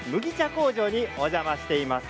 工場にお邪魔しています。